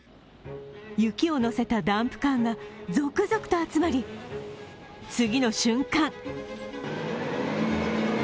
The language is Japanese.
雪を載せたダンプカーが続々と集まり、次の瞬間。